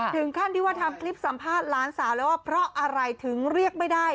ถึงขั้นที่ว่าทำคลิปสัมภาษณ์หลานสาวเลยว่าเพราะอะไรถึงเรียกไม่ได้